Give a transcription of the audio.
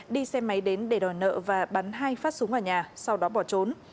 đi xe máy đến để đòi nợ và bắn hai phát súng vào nhà sau đó bỏ trốn